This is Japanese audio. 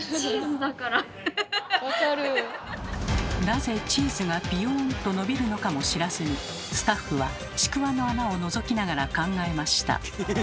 なぜチーズがビヨンと伸びるのかも知らずにスタッフはちくわの穴をのぞきながら考えました。